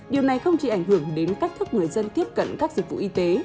điều này không chỉ ảnh hưởng đến cách thức người dân tiếp cận các dịch vụ y tế